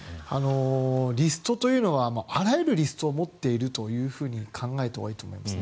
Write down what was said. リストというのはあらゆるリストを持っていると考えたほうがいいと思いますね。